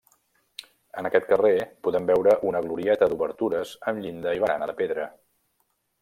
En aquest carrer podem veure una glorieta d'obertures amb llinda i barana de pedra.